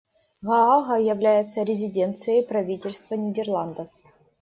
Гаага является резиденцией правительства Нидерландов.